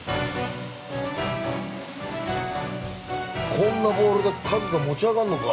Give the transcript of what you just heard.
こんなボールで家具が持ち上がんのか！